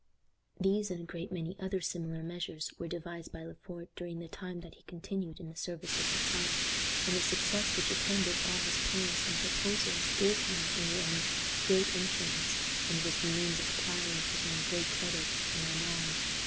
These and a great many other similar measures were devised by Le Fort during the time that he continued in the service of the Czar, and the success which attended all his plans and proposals gave him, in the end, great influence, and was the means of acquiring for him great credit and renown.